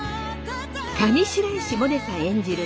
上白石萌音さん演じる